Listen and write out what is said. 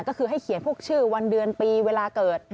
ก็คือให้เขียนพวกชื่อวันเดือนปีเวลาเกิด